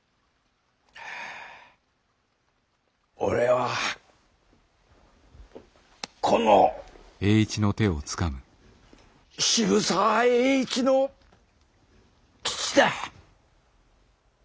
俺はこの渋沢栄一の父だ。